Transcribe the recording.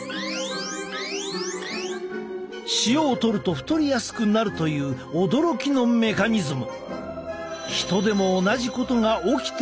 塩をとると太りやすくなるという驚きのメカニズム。